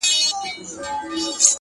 د اوښکو ته مو لپې لوښي کړې که نه ـ